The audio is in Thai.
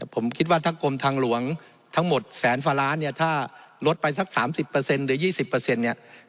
ผมคิดว่าถ้ากรมทางหลวงทั้งหมดแสนฟ้าล้านเนี่ยถ้าลดไปสัก๓๐หรือ๒๐เนี่ย